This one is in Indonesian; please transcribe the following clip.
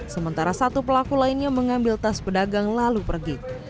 sementara satu pelaku lainnya mengambil tas pedagang lalu pergi